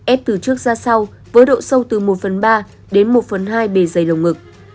ép từ trước ra sau với độ sâu từ một phần ba đến một phần hai bề dày lồng ngực